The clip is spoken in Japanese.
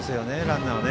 ランナーを。